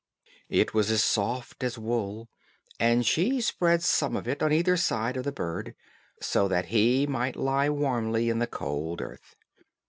It was as soft as wool, and she spread some of it on each side of the bird, so that he might lie warmly in the cold earth.